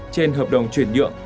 trên hợp đồng chuyển nhượng